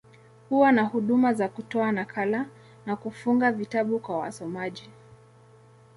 Huwa na huduma za kutoa nakala, na kufunga vitabu kwa wasomaji.